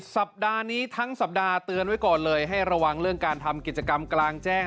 สัปดาห์นี้ทั้งสัปดาห์เตือนไว้ก่อนเลยให้ระวังเรื่องการทำกิจกรรมกลางแจ้ง